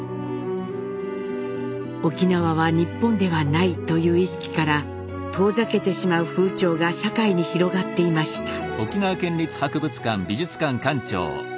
「沖縄は日本ではない」という意識から遠ざけてしまう風潮が社会に広がっていました。